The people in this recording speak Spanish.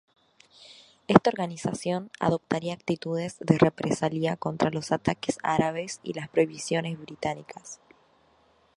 Esta organización adoptaría actitudes de represalia contra los ataques árabes y las prohibiciones británicas.